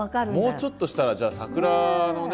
もうちょっとしたらじゃあ桜のね